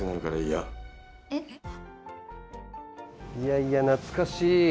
いやいや、懐かしい。